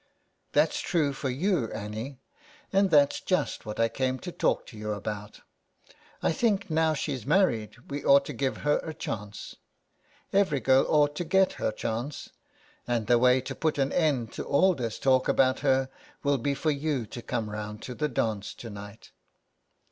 '' That's true for you, Annie, and that's just what I came to talk to you about. I think now she's married we ought to give her a chance. Every girl ought to get her chance, and the way to put an end to all this talk about her will be for you to come round to the dance to night."